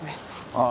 ああ。